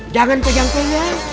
jangan kejangkauan ya